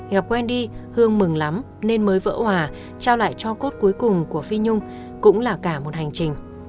gặp quen đi hương mừng lắm nên mới vỡ hòa trao lại cho cốt cuối cùng của phi nhung cũng là cả một hành trình